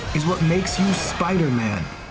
adalah yang membuatmu spiderman